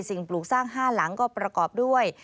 ปลูกสร้าง๕หลังก็ประกอบด้วย